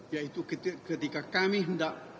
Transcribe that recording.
yaitu ketika kami hendak